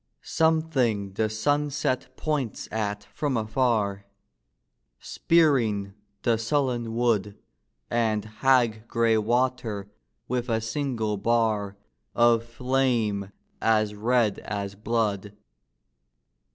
Something the sunset points at from afar, Spearing the sullen wood And hag gray water with a single bar Of flame as red as blood.